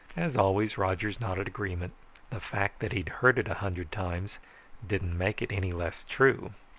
As always, Rogers nodded agreement. The fact that he'd heard it a hundred times didn't make it any less true.